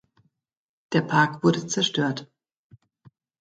Der Park wurde zerstört.